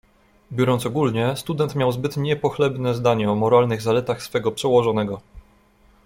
"Biorąc ogólnie, student miał zbyt niepochlebne zdanie o moralnych zaletach swego przełożonego."